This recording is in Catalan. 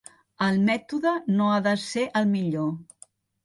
El mètode no ha de ser el millor.